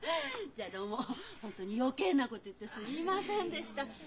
じゃあどうも本当に余計なこと言ってすいませんでした。